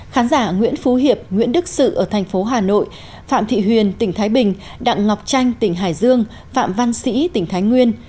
khán giả nguyễn phú hiệp nguyễn đức sự ở thành phố hà nội phạm thị huyền tỉnh thái bình đặng ngọc tranh tỉnh hải dương phạm văn sĩ tỉnh thái nguyên